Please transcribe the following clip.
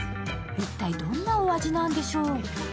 一体、どんな同じなんでしょう？